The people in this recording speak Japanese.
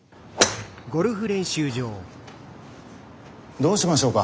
どうしましょうか？